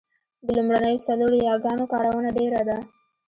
د لومړنیو څلورو یاګانو کارونه ډېره ده